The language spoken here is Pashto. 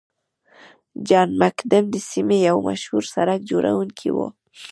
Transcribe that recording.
جان مکډم د سیمې یو مشهور سړک جوړونکی و.